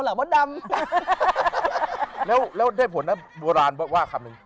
แล้วแล้วแท่ผลบ้าลว่างว่าขบเนี้ย